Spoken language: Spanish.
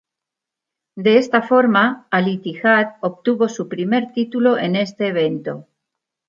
De esta forma, Al-Ittihad obtuvo su primer título en este evento.